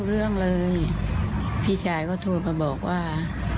หรือท้อเรื่องเลยพี่ชายก็ทูมาบอกว่า